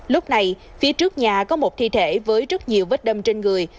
lúc này phía trước nhà có một thi thể với rất nhiều vết đâm trên người